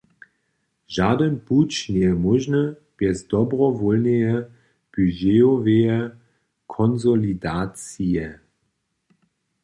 Žadyn puć njeje móžny bjez dobrowólneje budgetoweje konsolidacije.